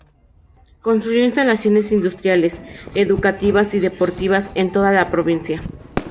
Construyó instalaciones industriales, educativas y deportivas en toda la provincia.